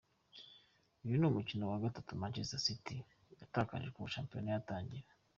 Uyu ni umukino wa gatanu Manchester City yatakaje kuva shampiyona yatangira.